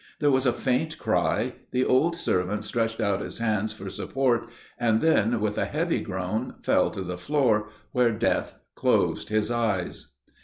There was a faint cry: the old servant stretched out his hands for support, and then, with a heavy groan, fell to the floor, where death closed his eyes.